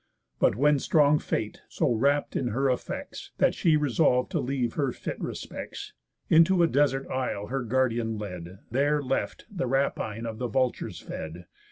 But when strong Fate so wrapt in her effects, That she resolv'd to leave her fit respects, Into a desert isle her guardian led, There left, the rapine of the vultures fed.